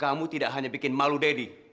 kamu tidak hanya bikin malu deddy